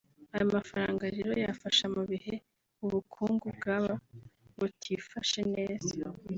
aya mafaranga rero yafasha mu bihe ubukungu bwaba butifashe neza